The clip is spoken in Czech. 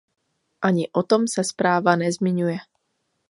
Ani o tom se zpráva nezmiňuje.